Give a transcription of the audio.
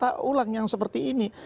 ini kata ulang yang seperti ini